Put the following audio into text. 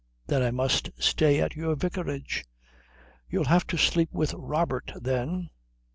"Then I must stay at your vicarage." "You'll have to sleep with Robert, then."